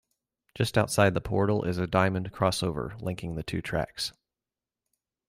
Just outside the portal is a diamond crossover linking the two tracks.